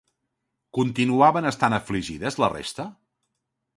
Continuaven estant afligides la resta?